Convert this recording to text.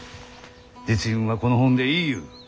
時珍はこの本で言いゆう。